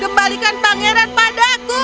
kembalikan pangeran padaku